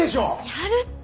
やるって。